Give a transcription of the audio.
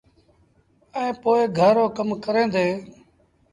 ائيٚݩ پو گھر رو ڪم ڪريݩ ديٚݩ۔